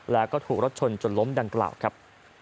แล้วก็ถูกรถชนจนล้มดังกล่าวครับ